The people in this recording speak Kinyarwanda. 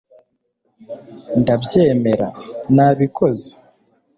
ndabyemera, nabikoze